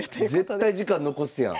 絶対時間残すやん。